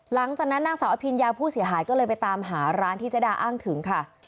นางสาวอภิญญาผู้เสียหายก็เลยไปตามหาร้านที่เจ๊ดาอ้างถึงค่ะ